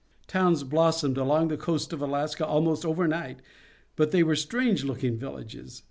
Towns blossomed along the coast of Alaska almost over night, but they were strange looking villages.